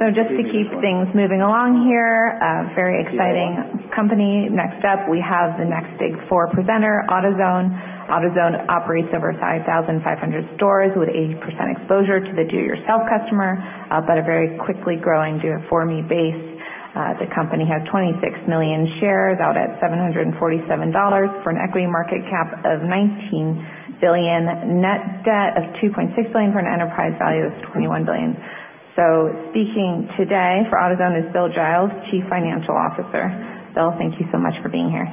Just to keep things moving along here, a very exciting company. Next up, we have the next big four presenter, AutoZone. AutoZone operates over 5,500 stores with 80% exposure to the do-it-yourself customer, but a very quickly growing do-it-for-me base. The company has 26 million shares out at $747 for an equity market cap of $19 billion, net debt of $2.6 billion for an enterprise value of $21 billion. Speaking today for AutoZone is Bill Giles, Chief Financial Officer. Bill, thank you so much for being here.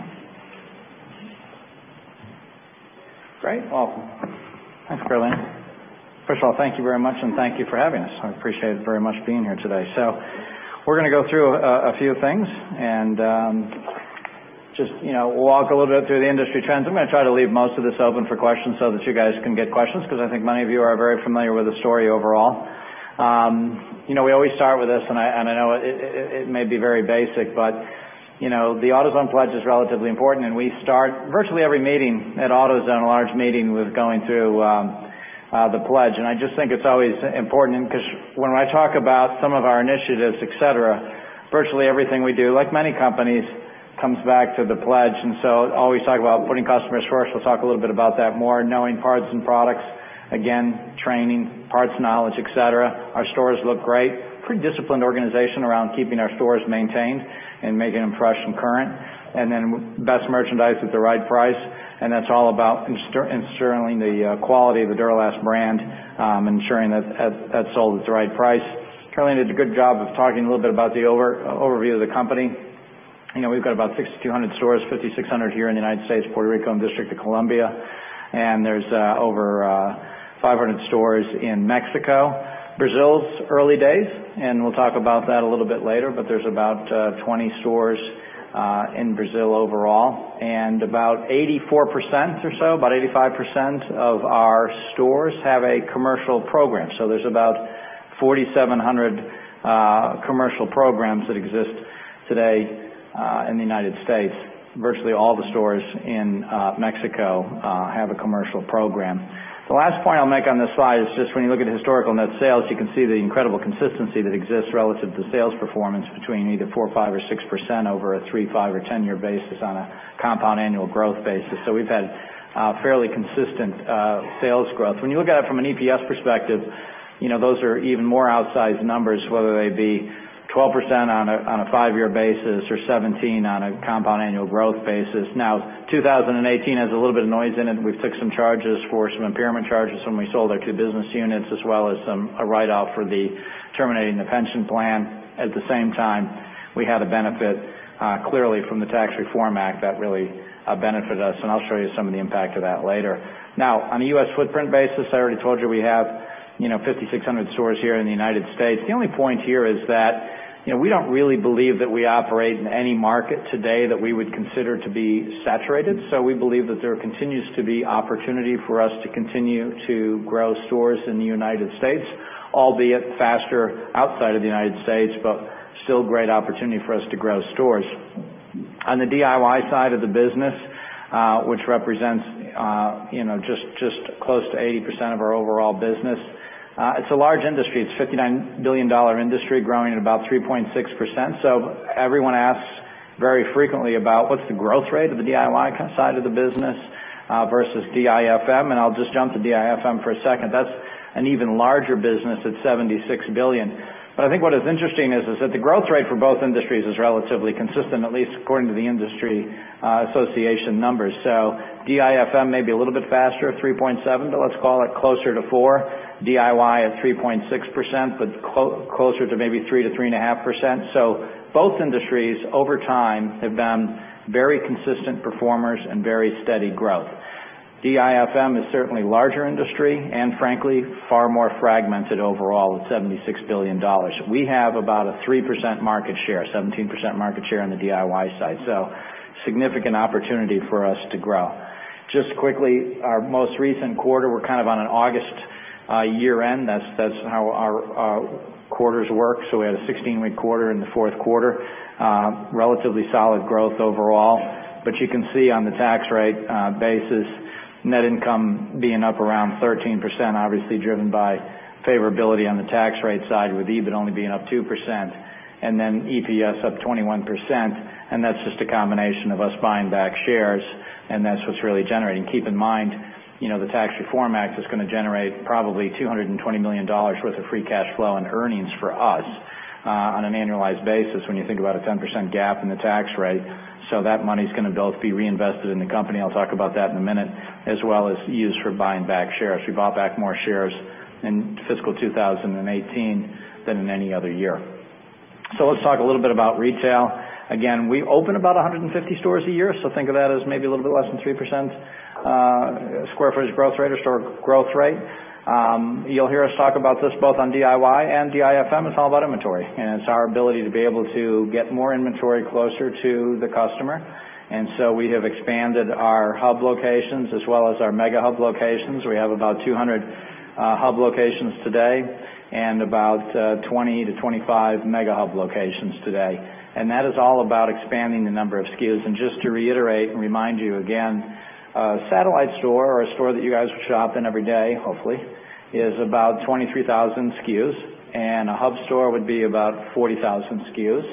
Great. Well, thanks, Caroline. First of all, thank you very much, and thank you for having us. I appreciate it very much being here today. We're going to go through a few things and just walk a little bit through the industry trends. I'm going to try to leave most of this open for questions so that you guys can get questions, because I think many of you are very familiar with the story overall. We always start with this, and I know it may be very basic, but the AutoZone pledge is relatively important, and we start virtually every meeting at AutoZone, a large meeting, with going through the pledge. I just think it's always important because when I talk about some of our initiatives, et cetera, virtually everything we do, like many companies, comes back to the pledge. Always talk about putting customers first. We'll talk a little bit about that more, knowing parts and products, again, training, parts knowledge, et cetera. Our stores look great. Pretty disciplined organization around keeping our stores maintained and making impression current. Best merchandise at the right price, and that's all about ensuring the quality of the Duralast brand, ensuring that that's sold at the right price. Caroline did a good job of talking a little bit about the overview of the company. We've got about 6,200 stores, 5,600 here in the U.S., Puerto Rico, and D.C. There's over 500 stores in Mexico. Brazil's early days, and we'll talk about that a little bit later, but there's about 20 stores in Brazil overall, and about 84% or so, about 85% of our stores have a commercial program. There's about 4,700 commercial programs that exist today in the U.S. Virtually all the stores in Mexico have a commercial program. The last point I'll make on this slide is just when you look at historical net sales, you can see the incredible consistency that exists relative to sales performance between either 4%, 5%, or 6% over a three, five, or 10-year basis on a compound annual growth basis. We've had fairly consistent sales growth. When you look at it from an EPS perspective, those are even more outsized numbers, whether they be 12% on a five-year basis or 17% on a compound annual growth basis. Now, 2018 has a little bit of noise in it. We've took some charges for some impairment charges when we sold our two business units, as well as a write-off for the terminating the pension plan. At the same time, we had a benefit, clearly, from the Tax Reform Act that really benefit us, and I'll show you some of the impact of that later. On a U.S. footprint basis, I already told you we have 5,600 stores here in the United States. The only point here is that we don't really believe that we operate in any market today that we would consider to be saturated. We believe that there continues to be opportunity for us to continue to grow stores in the United States, albeit faster outside of the United States, but still great opportunity for us to grow stores. On the DIY side of the business, which represents just close to 80% of our overall business, it's a large industry. It's a $59 billion industry growing at about 3.6%. Everyone asks very frequently about what's the growth rate of the DIY side of the business versus DIFM, and I'll just jump to DIFM for a second. That's an even larger business at $76 billion. I think what is interesting is that the growth rate for both industries is relatively consistent, at least according to the industry association numbers. DIFM may be a little bit faster at 3.7%, but let's call it closer to 4%. DIY at 3.6%, but closer to maybe 3%-3.5%. Both industries, over time, have been very consistent performers and very steady growth. DIFM is certainly a larger industry and frankly, far more fragmented overall at $76 billion. We have about a 3% market share, 17% market share on the DIY side, so significant opportunity for us to grow. Just quickly, our most recent quarter, we're kind of on an August year-end. That's how our quarters work. We had a 16-week quarter in the fourth quarter. Relatively solid growth overall. You can see on the tax rate basis, net income being up around 13%, obviously driven by favorability on the tax rate side, with EBIT only being up 2%. EPS up 21%, and that's just a combination of us buying back shares, and that's what's really generating. Keep in mind, the Tax Reform Act is going to generate probably $220 million worth of free cash flow and earnings for us on an annualized basis when you think about a 10% gap in the tax rate. That money is going to both be reinvested in the company, I'll talk about that in a minute, as well as used for buying back shares. We bought back more shares in fiscal 2018 than in any other year. Let's talk a little bit about retail. Again, we open about 150 stores a year, so think of that as maybe a little bit less than 3% square footage growth rate or store growth rate. You'll hear us talk about this both on DIY and DIFM. It's all about inventory, and it's our ability to be able to get more inventory closer to the customer. We have expanded our hub locations as well as our mega hub locations. We have about 200 hub locations today and about 20-25 mega hub locations today. That is all about expanding the number of SKUs. Just to reiterate and remind you again, a satellite store or a store that you guys would shop in every day, hopefully, is about 23,000 SKUs, and a hub store would be about 40,000 SKUs.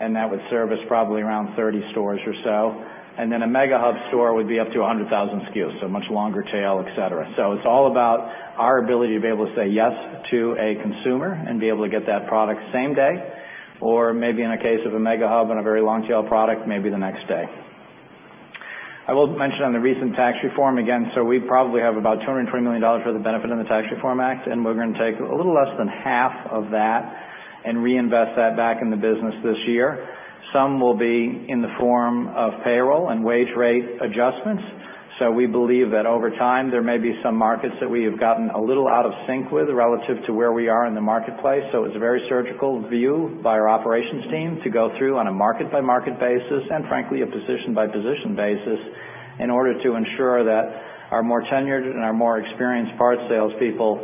That would service probably around 30 stores or so. Then a mega hub store would be up to 100,000 SKUs, so much longer-tail, et cetera. It's all about our ability to be able to say yes to a consumer and be able to get that product same day, or maybe in a case of a mega hub and a very long-tail product, maybe the next day. I will mention on the recent tax reform again. We probably have about $220 million for the benefit of the Tax Reform Act, and we're going to take a little less than half of that and reinvest that back in the business this year. Some will be in the form of payroll and wage rate adjustments. We believe that over time, there may be some markets that we have gotten a little out of sync with relative to where we are in the marketplace. It's a very surgical view by our operations team to go through on a market-by-market basis, and frankly, a position-by-position basis in order to ensure that our more tenured and our more experienced parts salespeople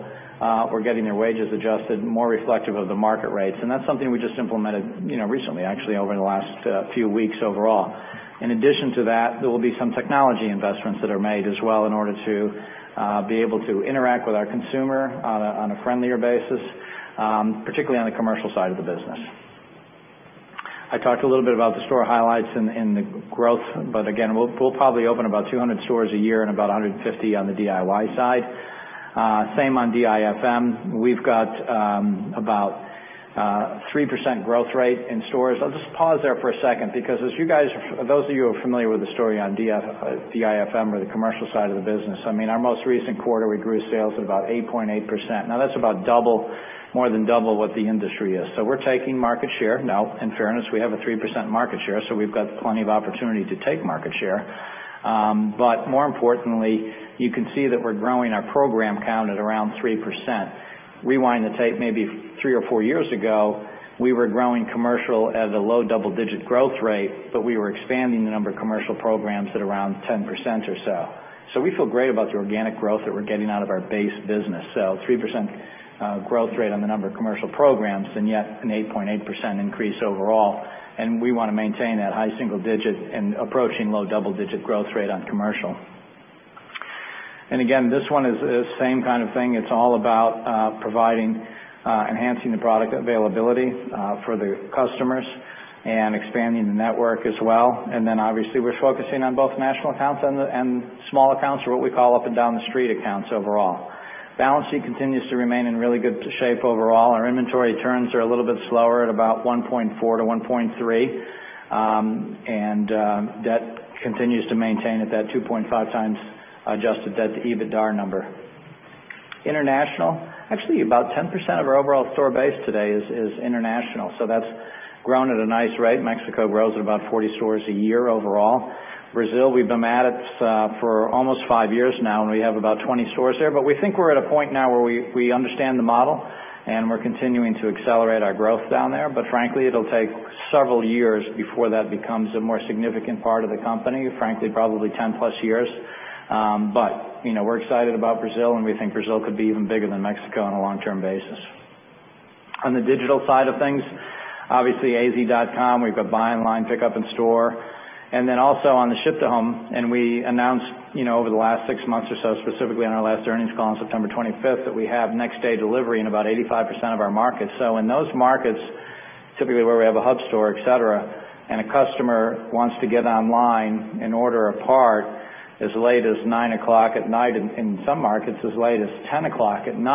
were getting their wages adjusted more reflective of the market rates. That's something we just implemented recently, actually, over the last few weeks overall. In addition to that, there will be some technology investments that are made as well in order to be able to interact with our consumer on a friendlier basis, particularly on the commercial side of the business. I talked a little bit about the store highlights and the growth. Again, we'll probably open about 200 stores a year and about 150 on the DIY side. Same on DIFM. We've got about a 3% growth rate in stores. I'll just pause there for a second because as those of you who are familiar with the story on DIFM or the commercial side of the business, our most recent quarter, we grew sales at about 8.8%. That's about more than double what the industry is. We're taking market share. In fairness, we have a 3% market share, so we've got plenty of opportunity to take market share. More importantly, you can see that we're growing our program count at around 3%. Rewind the tape maybe three or four years ago, we were growing commercial at a low double-digit growth rate. We were expanding the number of commercial programs at around 10% or so. We feel great about the organic growth that we're getting out of our base business. A 3% growth rate on the number of commercial programs, and yet an 8.8% increase overall. We want to maintain that high single-digit and approaching low double-digit growth rate on commercial. Again, this one is the same kind of thing. It's all about providing, enhancing the product availability for the customers and expanding the network as well. Obviously, we're focusing on both national accounts and small accounts, or what we call up-and-down the street accounts overall. Balance sheet continues to remain in really good shape overall. Our inventory turns are a little bit slower at about 1.4 to 1.3. Debt continues to maintain at that 2.5x adjusted debt to EBITDAR number. International. Actually, about 10% of our overall store base today is international, so that's grown at a nice rate. Mexico grows at about 40 stores a year overall. Brazil, we've been at it for almost five years now, and we have about 20 stores there. We think we're at a point now where we understand the model and we're continuing to accelerate our growth down there. Frankly, it'll take several years before that becomes a more significant part of the company. Frankly, probably 10+ years. We're excited about Brazil, and we think Brazil could be even bigger than Mexico on a long-term basis. On the digital side of things, obviously, AZ.com, we've got buy online, pickup in store. Also on the ship to home, we announced over the last six months or so, specifically on our last earnings call on September 25th, that we have next-day delivery in about 85% of our markets. In those markets, typically where we have a hub store, et cetera, and a customer wants to get online and order a part as late as 9:00 P.M., in some markets, as late as 10:00 P.M.,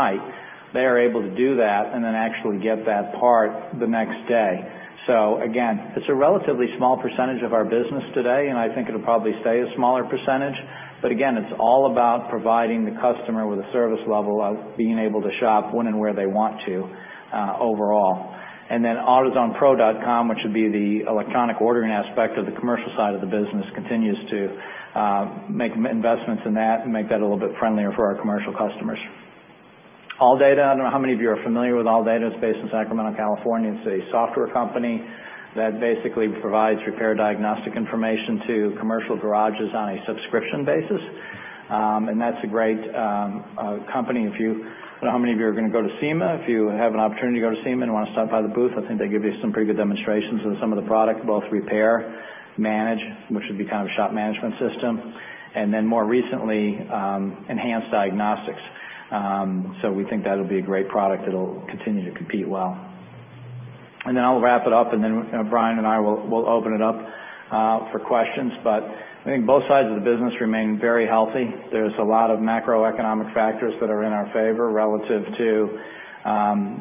they are able to do that and then actually get that part the next day. Again, it's a relatively small percentage of our business today, and I think it'll probably stay a smaller percentage. Again, it's all about providing the customer with a service level of being able to shop when and where they want to overall. autozonepro.com, which would be the electronic ordering aspect of the commercial side of the business, continues to make investments in that and make that a little bit friendlier for our commercial customers. ALLDATA, I don't know how many of you are familiar with ALLDATA. It's based in Sacramento, California. It's a software company that basically provides repair diagnostic information to commercial garages on a subscription basis. That's a great company. I don't know how many of you are going to go to SEMA. If you have an opportunity to go to SEMA and want to stop by the booth, I think they give you some pretty good demonstrations of some of the product, both repair, manage, which would be kind of a shop management system, and then more recently, enhanced diagnostics. We think that'll be a great product that'll continue to compete well. I'll wrap it up, and then Brian and I will open it up for questions. I think both sides of the business remain very healthy. There's a lot of macroeconomic factors that are in our favor relative to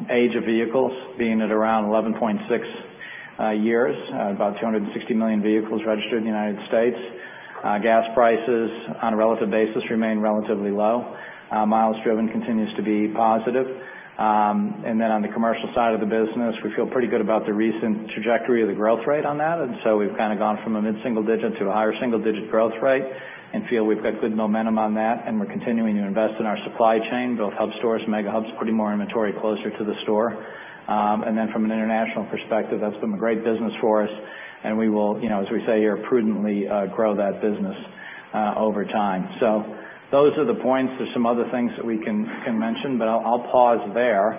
age of vehicles being at around 11.6 years, about 260 million vehicles registered in the U.S. Gas prices on a relative basis remain relatively low. Miles driven continues to be positive. On the commercial side of the business, we feel pretty good about the recent trajectory of the growth rate on that. We've gone from a mid-single-digit to a higher single-digit growth rate and feel we've got good momentum on that. We're continuing to invest in our supply chain, build hub stores, mega hubs, putting more inventory closer to the store. From an international perspective, that's been a great business for us, and we will, as we say here, prudently grow that business over time. Those are the points. There's some other things that we can mention, but I'll pause there,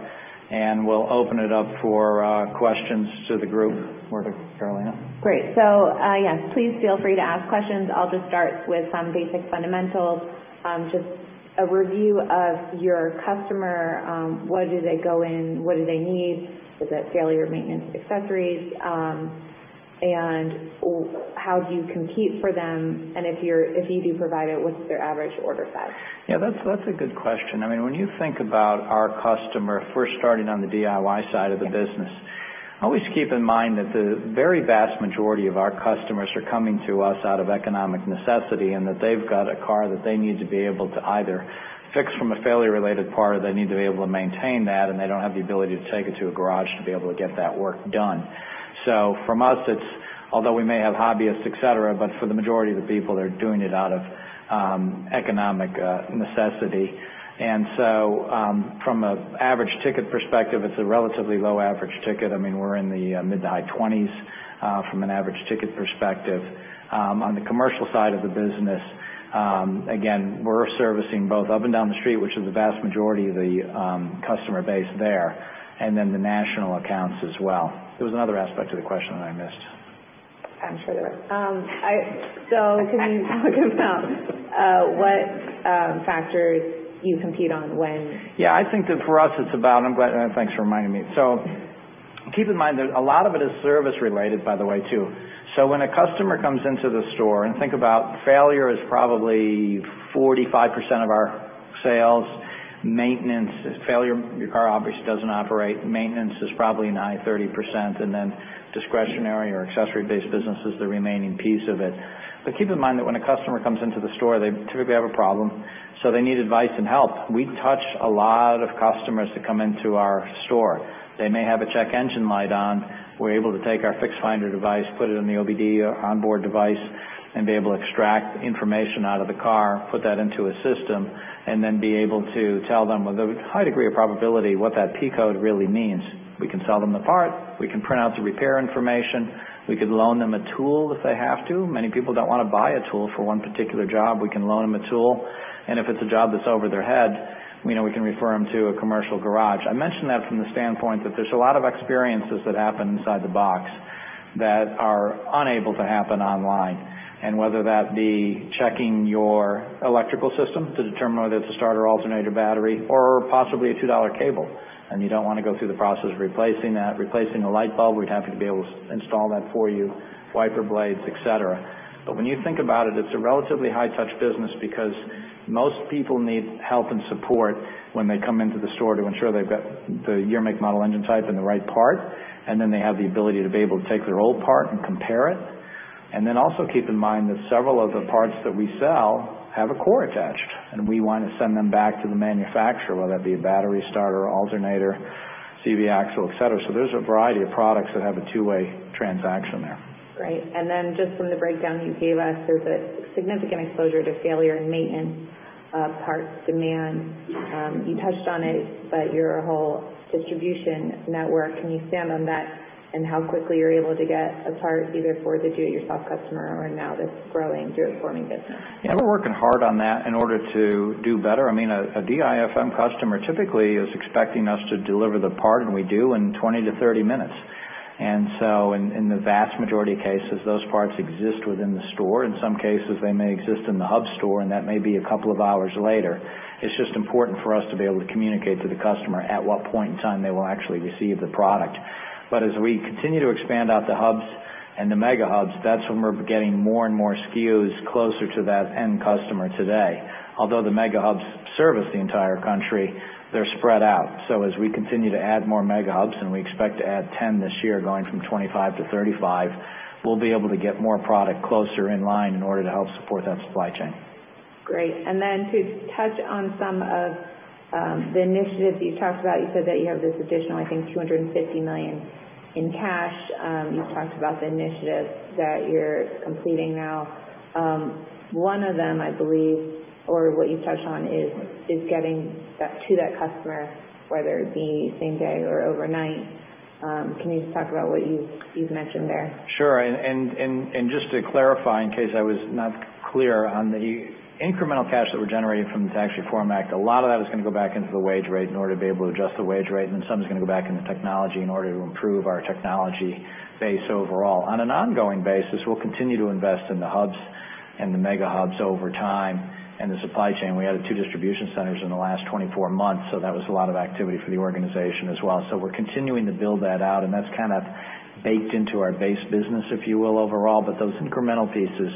and we'll open it up for questions to the group. Over to [Carolina]. Great. Yes, please feel free to ask questions. I'll just start with some basic fundamentals. Just a review of your customer. What do they go in? What do they need? Is that failure maintenance, accessories? And how do you compete for them? And if you do provide it, what's their average order size? Yeah, that's a good question. When you think about our customer, if we're starting on the DIY side of the business, always keep in mind that the very vast majority of our customers are coming to us out of economic necessity, and that they've got a car that they need to be able to either fix from a failure-related part, or they need to be able to maintain that, and they don't have the ability to take it to a garage to be able to get that work done. From us, although we may have hobbyists, et cetera, but for the majority of the people, they're doing it out of economic necessity. From an average ticket perspective, it's a relatively low average ticket. We're in the mid to high 20s from an average ticket perspective. On the commercial side of the business, again, we're servicing both up and down the street, which is the vast majority of the customer base there, and then the national accounts as well. There was another aspect to the question that I missed. I'm sure there was. Can you talk about what factors you compete on when- Thanks for reminding me. Keep in mind that a lot of it is service-related, by the way, too. When a customer comes into the store, and think about failure is probably 45% of our sales. Maintenance, failure, your car obviously doesn't operate. Maintenance is probably a high 30%, and then discretionary or accessory-based business is the remaining piece of it. Keep in mind that when a customer comes into the store, they typically have a problem, so they need advice and help. We touch a lot of customers that come into our store. They may have a check engine light on. We're able to take our Fix Finder device, put it in the OBD onboard device, and be able to extract information out of the car, put that into a system, and then be able to tell them with a high degree of probability what that P code really means. We can sell them the part. We can print out the repair information. We could loan them a tool if they have to. Many people don't want to buy a tool for one particular job. We can loan them a tool, and if it's a job that's over their head, we can refer them to a commercial garage. I mention that from the standpoint that there's a lot of experiences that happen inside the box that are unable to happen online, and whether that be checking your electrical system to determine whether it's a starter, alternator, battery, or possibly a $2 cable, and you don't want to go through the process of replacing that. Replacing a light bulb, we'd have to be able to install that for you, wiper blades, et cetera. When you think about it's a relatively high-touch business because most people need help and support when they come into the store to ensure they've got the year, make, model, engine type, and the right part, and then they have the ability to be able to take their old part and compare it. Also keep in mind that several of the parts that we sell have a core attached, and we want to send them back to the manufacturer, whether that be a battery, starter, alternator, CV axle, et cetera. There's a variety of products that have a two-way transaction there. Great. Just from the breakdown you gave us, there's a significant exposure to failure in maintenance parts demand. You touched on it, but your whole distribution network, can you expand on that and how quickly you're able to get a part either for the do-it-yourself customer or now this growing do-it-for-me business? Yeah, we're working hard on that in order to do better. A DIFM customer typically is expecting us to deliver the part, and we do in 20-30 minutes. In the vast majority of cases, those parts exist within the store. In some cases, they may exist in the hub store, and that may be a couple of hours later. It's just important for us to be able to communicate to the customer at what point in time they will actually receive the product. As we continue to expand out the hubs and the mega hubs, that's when we're getting more and more SKUs closer to that end customer today. Although the mega hubs service the entire country, they're spread out. As we continue to add more mega hubs, and we expect to add 10 this year, going from 25-35, we'll be able to get more product closer in line in order to help support that supply chain. To touch on some of the initiatives you talked about, you said that you have this additional, I think, $259 in cash. You talked about the initiatives that you're completing now. One of them, I believe, or what you touched on, is getting that to that customer, whether it be same day or overnight. Can you just talk about what you've mentioned there? Sure. Just to clarify, in case I was not clear on the incremental cash that we're generating from the Tax Reform Act, a lot of that is going to go back into the wage rate in order to be able to adjust the wage rate, then some is going to go back into technology in order to improve our technology base overall. On an ongoing basis, we'll continue to invest in the hubs and the mega hubs over time and the supply chain. We added two distribution centers in the last 24 months, that was a lot of activity for the organization as well. We're continuing to build that out, and that's baked into our base business, if you will, overall. Those incremental pieces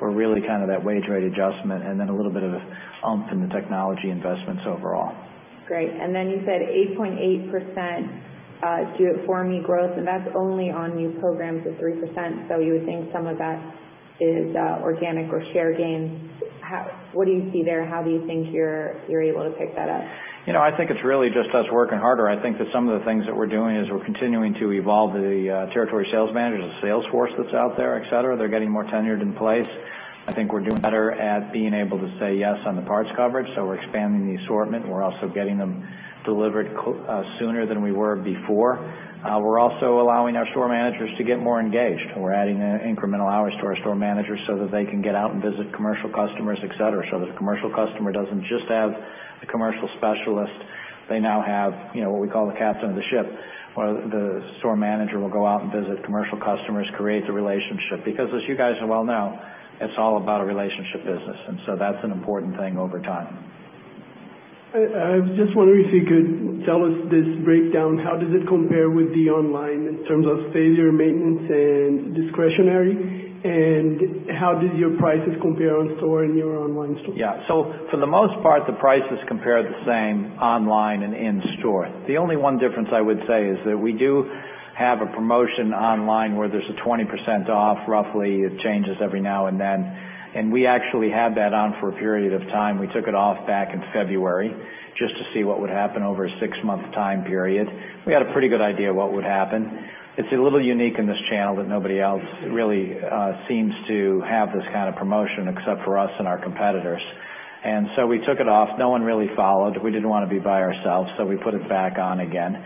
were really that wage rate adjustment and then a little bit of a bump in the technology investments overall. Great. You said 8.8% do it for me growth, and that's only on new programs of 3%. You would think some of that is organic or share gains. What do you see there? How do you think you're able to pick that up? I think it's really just us working harder. I think that some of the things that we're doing is we're continuing to evolve the territory sales managers, the sales force that's out there, et cetera. They're getting more tenured in place. I think we're doing better at being able to say yes on the parts coverage. We're expanding the assortment. We're also getting them delivered sooner than we were before. We're also allowing our store managers to get more engaged. We're adding incremental hours to our store managers so that they can get out and visit commercial customers, et cetera, so that a commercial customer doesn't just have a commercial specialist. They now have what we call the captain of the ship, where the store manager will go out and visit commercial customers, create the relationship. As you guys well know, it's all about a relationship business, that's an important thing over time. I just wonder if you could tell us this breakdown, how does it compare with the online in terms of failure, maintenance, and discretionary? How did your prices compare on store and your online store? Yeah. For the most part, the prices compare the same online and in-store. The only one difference I would say is that we do have a promotion online where there's a 20% off, roughly. It changes every now and then. We actually had that on for a period of time. We took it off back in February just to see what would happen over a six-month time period. We had a pretty good idea what would happen. It's a little unique in this channel that nobody else really seems to have this kind of promotion except for us and our competitors. We took it off. No one really followed. We didn't want to be by ourselves, so we put it back on again.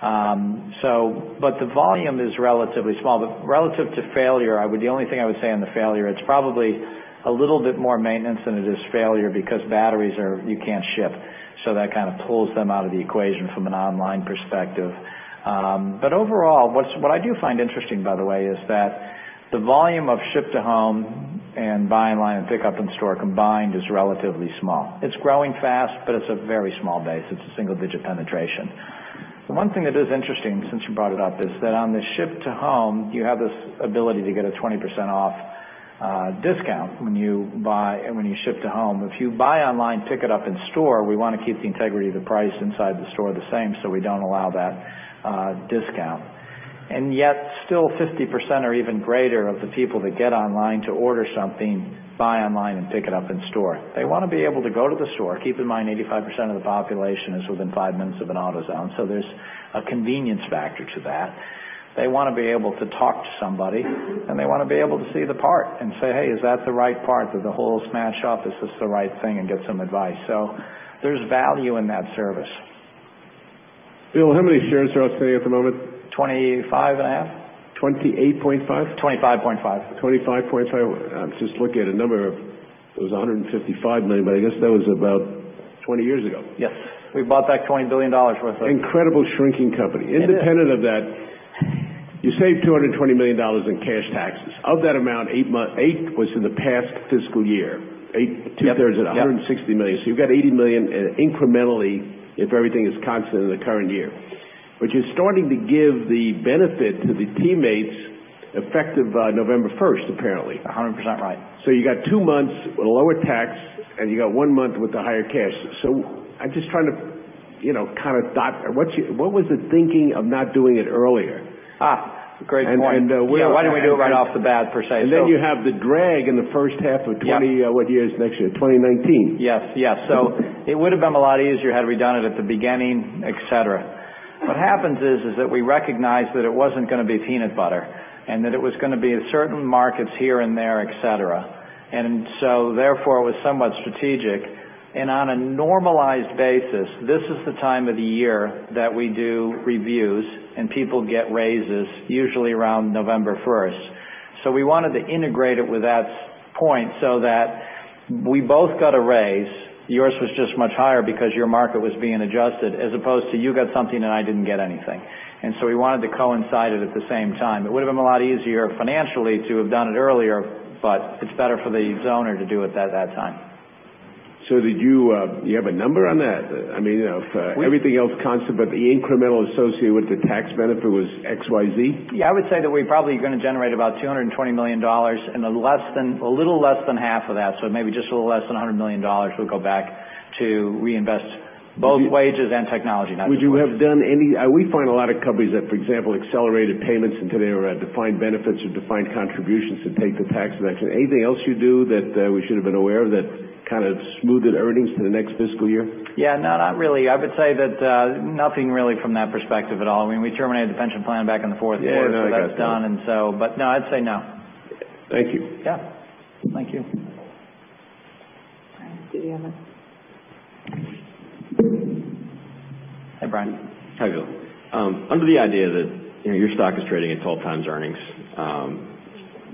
The volume is relatively small. Relative to failure, the only thing I would say on the failure, it's probably a little bit more maintenance than it is failure because batteries you can't ship. That kind of pulls them out of the equation from an online perspective. Overall, what I do find interesting, by the way, is that the volume of ship to home and buy online, pickup in store combined is relatively small. It's growing fast, but it's a very small base. It's a single-digit penetration. The one thing that is interesting, since you brought it up, is that on the ship to home, you have this ability to get a 20% off discount when you ship to home. If you buy online, pick it up in store, we want to keep the integrity of the price inside the store the same, so we don't allow that discount. Yet still 50% or even greater of the people that get online to order something, buy online, and pick it up in store. They want to be able to go to the store. Keep in mind, 85% of the population is within five minutes of an AutoZone, so there's a convenience factor to that. They want to be able to talk to somebody, and they want to be able to see the part and say, "Hey, is that the right part? Did the holes smash up? Is this the right thing?" Get some advice. There's value in that service. Bill, how many shares are out today at the moment? 25 and a half. 28.5? 25.5. 25.5. I was just looking at a number. It was 155 million, I guess that was about 20 years ago. Yes. We bought back $20 billion worth. Incredible shrinking company. It is. Independent of that, you saved $220 million in cash taxes. Of that amount, eight was in the past fiscal year. Yep. Two-thirds of that, $160 million. You've got $80 million incrementally if everything is constant in the current year. You're starting to give the benefit to the teammates effective November 1st, apparently. 100% right. You got two months with a lower tax, and you got one month with the higher cash. I'm just trying to kind of dot. What was the thinking of not doing it earlier? Great point. We're. Yeah, why don't we do it right off the bat, per se. You have the drag in the first half of 20 What year is next year? 2019. Yes. It would have been a lot easier had we done it at the beginning, et cetera. What happens is that we recognized that it wasn't going to be peanut butter, and that it was going to be in certain markets here and there, et cetera. It was somewhat strategic. On a normalized basis, this is the time of the year that we do reviews and people get raises, usually around November 1st. We wanted to integrate it with that point so that we both got a raise. Yours was just much higher because your market was being adjusted, as opposed to you got something and I didn't get anything. We wanted to coincide it at the same time. It would've been a lot easier financially to have done it earlier, but it's better for the Zoner to do it at that time. Do you have a number on that? I mean, if everything else constant but the incremental associated with the tax benefit was XYZ? I would say that we probably are going to generate about $220 million, and a little less than half of that, so maybe just a little less than $100 million, will go back to reinvest both wages and technology, not just wages. We find a lot of companies that, for example, accelerated payments into their defined benefits or defined contributions to take the tax deduction. Anything else you do that we should have been aware of that kind of smoothed earnings for the next fiscal year? Yeah, no, not really. I would say that nothing really from that perspective at all. I mean, we terminated the pension plan back in the fourth quarter. Yeah. No, I got that. That's done and so, but no, I'd say no. Thank you. Yeah. Thank you. All right. Do we have a Hi, Brian. Hi, Bill. Under the idea that your stock is trading at 12 times earnings,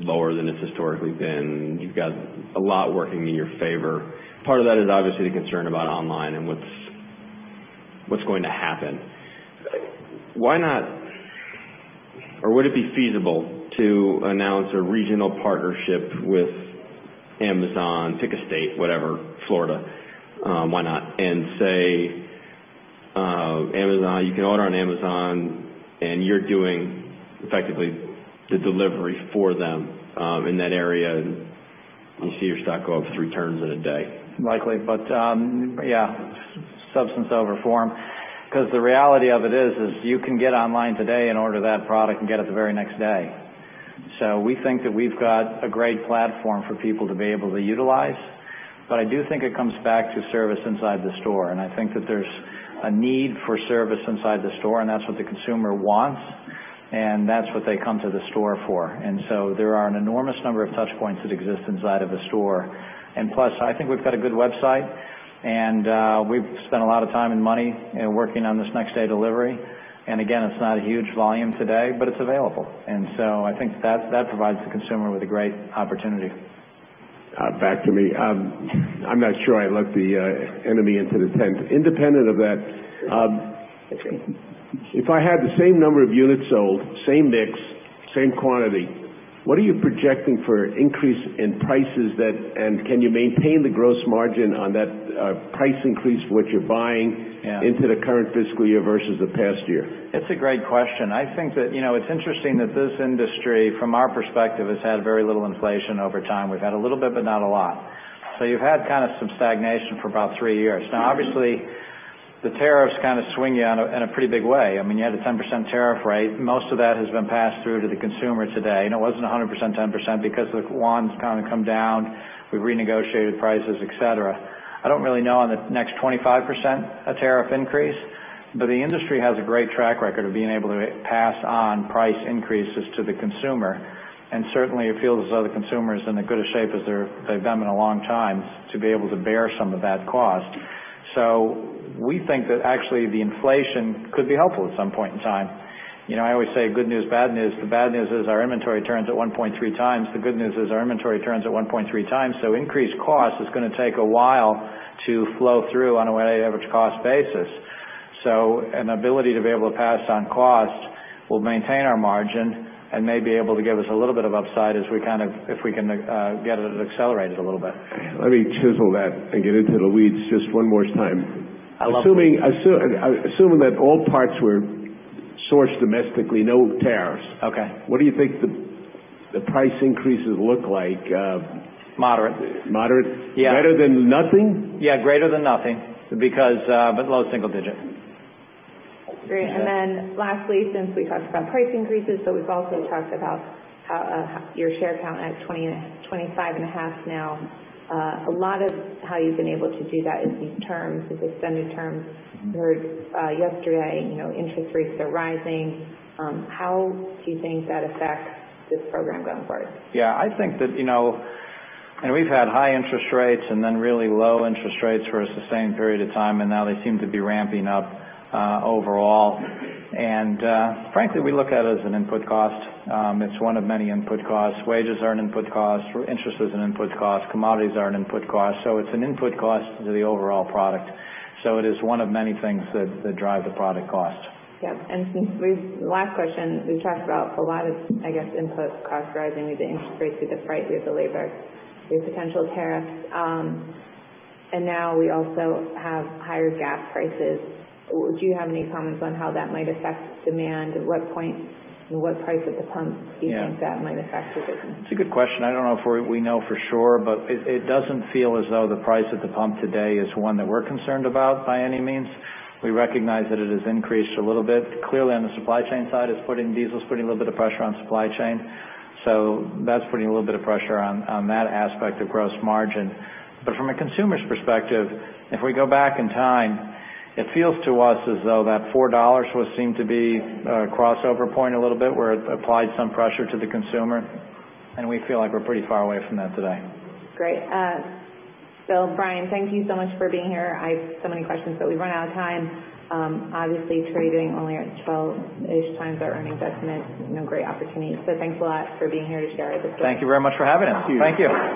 lower than it's historically been. You've got a lot working in your favor. Part of that is obviously the concern about online and what's going to happen. Why not, or would it be feasible to announce a regional partnership with Amazon, pick a state, whatever, Florida, why not? Say, Amazon, you can order on Amazon, and you're doing effectively the delivery for them, in that area, and you see your stock go up three turns in a day. Likely, substance over form, because the reality of it is, you can get online today and order that product and get it the very next day. We think that we've got a great platform for people to be able to utilize, I do think it comes back to service inside the store, I think that there's a need for service inside the store, that's what the consumer wants, that's what they come to the store for. There are an enormous number of touchpoints that exist inside of a store. Plus, I think we've got a good website, we've spent a lot of time and money working on this next day delivery. Again, it's not a huge volume today, but it's available. I think that provides the consumer with a great opportunity. Back to me. I'm not sure I let the enemy into the tent. Independent of that, if I had the same number of units sold, same mix Same quantity. What are you projecting for increase in prices, can you maintain the gross margin on that price increase for what you're buying into the current fiscal year versus the past year? It's a great question. I think that it's interesting that this industry, from our perspective, has had very little inflation over time. We've had a little bit, but not a lot. You've had kind of some stagnation for about three years. Now, obviously, the tariffs kind of swing you in a pretty big way. You had a 10% tariff rate. Most of that has been passed through to the consumer today, it wasn't 100% 10% because the yuan's kind of come down, we've renegotiated prices, et cetera. I don't really know on the next 25% tariff increase, the industry has a great track record of being able to pass on price increases to the consumer, certainly it feels as though the consumer's in as good a shape as they've been in a long time to be able to bear some of that cost. We think that actually the inflation could be helpful at some point in time. I always say good news, bad news. The bad news is our inventory turns at 1.3 times. The good news is our inventory turns at 1.3 times, so increased cost is going to take a while to flow through on a weighted average cost basis. An ability to be able to pass on cost will maintain our margin and may be able to give us a little bit of upside if we can get it accelerated a little bit. Let me chisel that and get into the weeds just one more time. I love it. Assuming that all parts were sourced domestically, no tariffs. Okay. What do you think the price increases look like? Moderate. Moderate? Yeah. Greater than nothing? Yeah, greater than nothing, but low single digit. Great. Lastly, since we talked about price increases, we've also talked about how your share count at 25 and a half now. A lot of how you've been able to do that is these terms, these extended terms. We heard yesterday interest rates are rising. How do you think that affects this program going forward? Yeah, I think that, we've had high interest rates and then really low interest rates for a sustained period of time, now they seem to be ramping up overall. Frankly, we look at it as an input cost. It's one of many input costs. Wages are an input cost, interest is an input cost, commodities are an input cost. It's an input cost to the overall product. It is one of many things that drive the product cost. Yep. Since the last question, we've talked about a lot of, I guess, input costs rising with the interest rates, with the price, with the labor, with potential tariffs. Now we also have higher gas prices. Do you have any comments on how that might affect demand? At what point and what price at the pump do you think that might affect your business? It's a good question. I don't know if we know for sure, but it doesn't feel as though the price at the pump today is one that we're concerned about by any means. We recognize that it has increased a little bit. Clearly, on the supply chain side, diesel's putting a little bit of pressure on supply chain. That's putting a little bit of pressure on that aspect of gross margin. From a consumer's perspective, if we go back in time, it feels to us as though that $4 seemed to be a crossover point a little bit, where it applied some pressure to the consumer, and we feel like we're pretty far away from that today. Great. Bill, Brian, thank you so much for being here. I have so many questions, we've run out of time. Obviously, trading only at 12-ish times our earning investment, great opportunity. Thanks a lot for being here to share with us today. Thank you very much for having us. Thank you. Thank you.